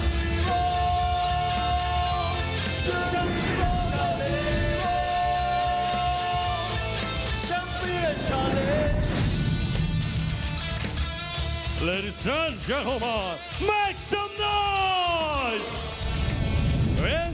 สวัสดีทุกคนไปกันกันกันกัน